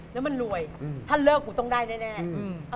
แล้วมันรวยถ้าเลิกกูต้องได้แน่